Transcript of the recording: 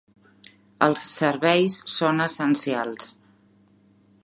Els serveis són essencials.